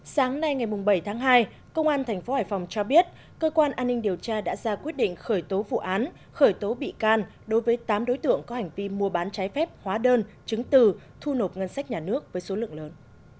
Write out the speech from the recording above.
sáng nay ngày bảy tháng hai công an tp hải phòng cho biết cơ quan an ninh điều tra đã ra quyết định khởi tố vụ án khởi tố bị can đối với tám đối tượng có hành vi mua bán trái phép hóa đơn chứng từ thu nộp ngân sách nhà nước với số lượng lớn